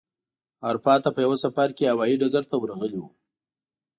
اروپا ته په یوه سفر کې هوايي ډګر ته ورغلی و.